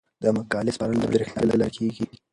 د مقالې سپارل د بریښنالیک له لارې کیږي.